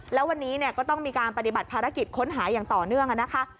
แล้ววันนี้ก็ต้องมีการปฏิบัติภารกิจค้นหาอย่างต่อเนื่องนะคะ